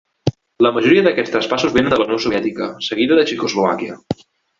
La majoria d'aquests traspassos venien de la Unió Soviètica, seguida de Txecoslovàquia.